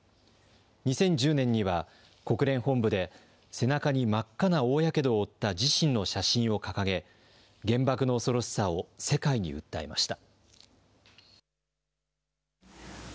２０１０年には国連本部で背中に真っ赤な大やけどを負った自身の写真を掲げ原爆の恐ろしさを世界に訴えました。